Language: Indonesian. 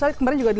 saya kemarin juga